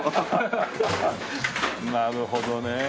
なるほどね。